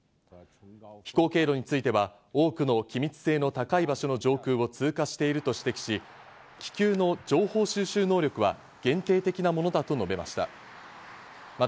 飛行経路については多くの機密性の高い場所の上空を通過していると指摘し、気球の情報収集能力は限定的なものだと述べました。